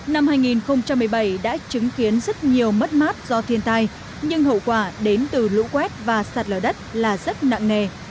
năm hai nghìn một mươi bảy đã chứng kiến rất nhiều mất mát do thiên tai nhưng hậu quả đến từ lũ quét và sạt lở đất là rất nặng nề